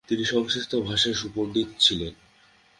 তিনি সংস্কৃত ভাষায় সুপণ্ডিত ছিলেন।